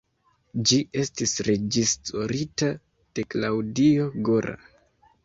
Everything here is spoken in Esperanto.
Ĝi estis reĝisorita de Claudio Gora.